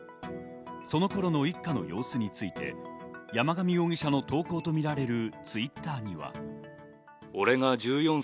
その頃の一家の様子について、山上容疑者の投稿とみられるＴｗｉｔｔｅｒは。